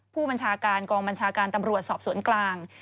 ผู้บัญชาการกองบัญชาการตำรวจสอบสวนกลาง